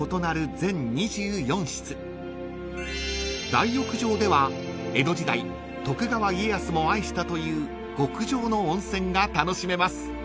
［大浴場では江戸時代徳川家康も愛したという極上の温泉が楽しめます］